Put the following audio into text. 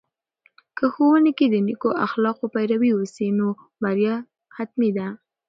که ښوونې کې د نیکو اخلاقو پیروي وسي، نو بریا حتمي ده.